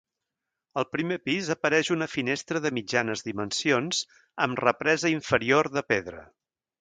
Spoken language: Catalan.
Al primer pis apareix una finestra de mitjanes dimensions amb represa inferior de pedra.